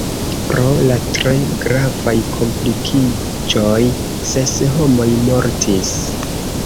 Pro la tre gravaj komplikiĝoj ses homoj mortis.